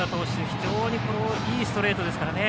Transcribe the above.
非常にいいストレートですからね。